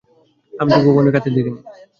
আমি তোকে কখনোই কাঁদতে দেখিনি।